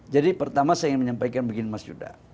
jadi pertama saya ingin menyampaikan begini mas yuda